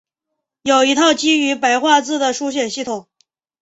有一套基于白话字的书写系统。